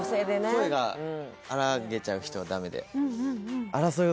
声があらげちゃう人がダメで嘘！